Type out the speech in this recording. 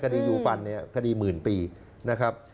ยูฟันเนี่ยคดีหมื่นปีนะครับ